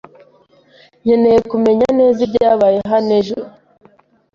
Nkeneye kumenya neza ibyabaye hano ejo.